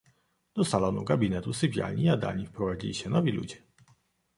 Do salonu, gabinetu, sypialni, jadalni wprowadzili się nowi ludzie.